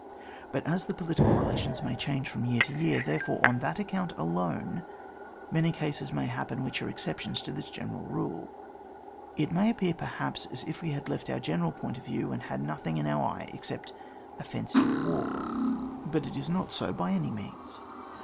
But as the political relations may change from year to year, therefore, on that account alone, many cases may happen which are exceptions to this general truth. It may appear perhaps as if we had left our general point of view, and had nothing in our eye except offensive war ; but it is not so by any means.